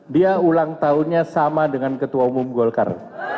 dia ulang tahunnya sama dengan ketua umum golkar